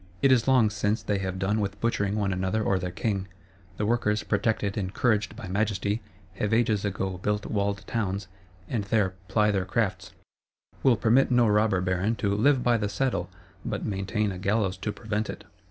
It is long since they have done with butchering one another or their king: the Workers, protected, encouraged by Majesty, have ages ago built walled towns, and there ply their crafts; will permit no Robber Baron to "live by the saddle," but maintain a gallows to prevent it.